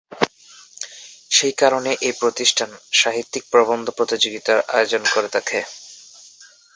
সেই কারণে এই প্রতিষ্ঠান ‘সাহিত্যিক প্রবন্ধ প্রতিযোগিতা’র আয়োজন করে থাকে।